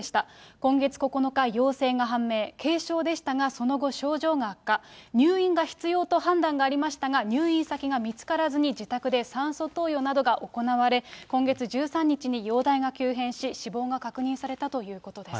今月９日、陽性が判明、軽症でしたが、その後、症状が悪化、入院が必要と判断がありましたが、入院先が見つからずに自宅で酸素投与などが行われ、今月１３日に容体が急変し、死亡が確認されたということです。